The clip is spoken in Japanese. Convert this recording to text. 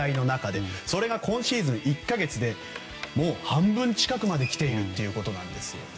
それが今シーズン、１か月でもう半分近くまで来ているということなんです。